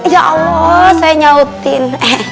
ya allah saya nyautin